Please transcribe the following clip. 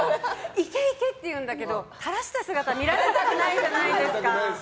いけいけ！って言うんですけど垂らした姿見られたくないじゃないですか。